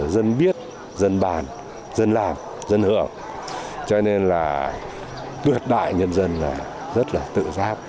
dân biết dân bàn dân làm dân hưởng cho nên là tuyệt đại nhân dân là rất là tự giác